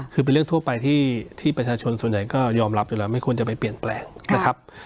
คือเป็นเรื่องทั่วไปที่ประชาชนส่วนใหญ่ก็ยอมรับอยู่แล้วไม่ควรจะไปเปลี่ยนแปลงนะครับ